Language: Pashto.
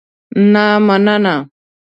نه مننه.